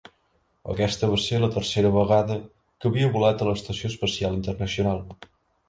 Aquesta va ser la tercera vegada que havia volat a l'Estació Espacial Internacional.